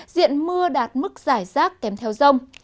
diện mưa đạt mức giải rác kèm theo rông